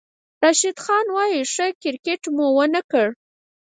راشد خان وايي، "ښه کرېکټ مو ونه کړ"